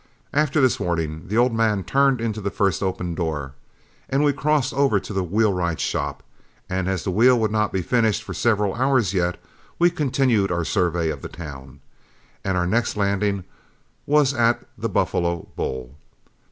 After this warning, the old man turned into the first open door, and we crossed over to the wheelwright's shop; and as the wheel would not be finished for several hours yet, we continued our survey of the town, and our next landing was at The Buffalo Bull.